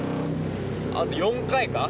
あと４回か？